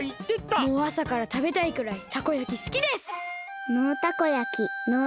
もうあさからたべたいくらいたこ焼きすきです！